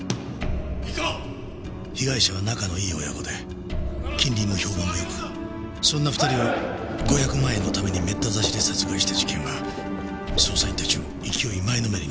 被害者は仲のいい親子で近隣の評判もよくそんな二人を５００万円のためにメッタ刺しで殺害した事件は捜査員たちを勢い前のめりにさせた。